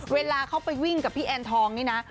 เวลาเขาไปวิ่งกับพี่แอนทองนี่นะ